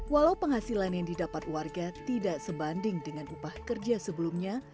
walau penghasilan yang didapat warga tidak sebanding dengan upah kerja sebelumnya